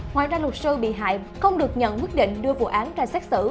ngoài ra luật sư bị hại không được nhận quyết định đưa vụ án ra xét xử